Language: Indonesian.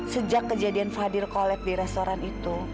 sejak kejadian fadil collet di restoran itu